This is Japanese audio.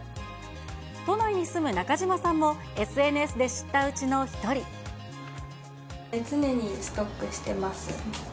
都内に住む中島さんも、常にストックしてます。